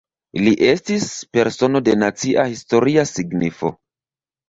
Li estis "Persono de Nacia Historia Signifo".